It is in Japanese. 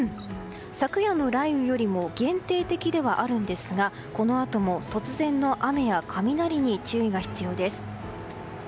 昨夜の雷雨よりも限定的ではあるんですがこのあとも突然の雨や雷に注意が必要です。